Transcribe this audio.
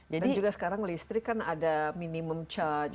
dan juga sekarang listrik kan ada minimum charge